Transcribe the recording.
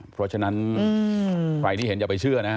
เพราะฉะนั้นใครที่เห็นอย่าไปเชื่อนะฮะ